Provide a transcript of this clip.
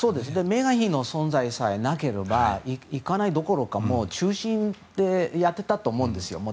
メーガン妃の存在させなければ行かないどころか中心でやってたと思うんですよ。